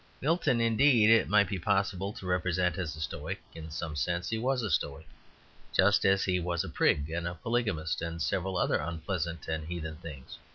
Milton, indeed, it might be possible to represent as a Stoic; in some sense he was a Stoic, just as he was a prig and a polygamist and several other unpleasant and heathen things.